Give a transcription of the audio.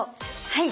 はい。